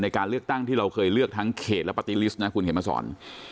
การเลือกตั้งที่เราเคยเลือกทั้งเขตและปาร์ตี้ลิสต์นะคุณเขียนมาสอน